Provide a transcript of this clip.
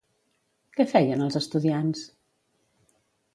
Què feien els estudiants?